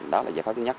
đó là giải pháp thứ nhất